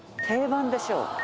定番でしょう。